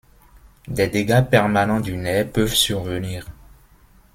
Des dégâts permanents du nerf peuvent survenir.